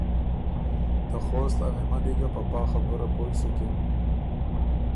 ته خوست ا مهمني ګه په پا خبُره پویٛ سُکِن